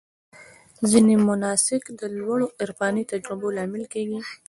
ځینې مناسک د لوړو عرفاني تجربو لامل کېږي.